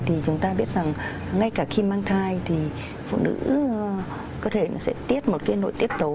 thì chúng ta biết rằng ngay cả khi mang thai thì phụ nữ có thể sẽ tiết một nội tiết tố